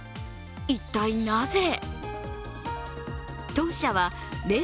一体なぜ？